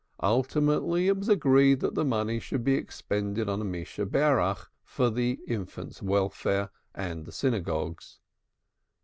Ultimately it was agreed the money should be expended on a Missheberach, for the infant's welfare and the synagogue's.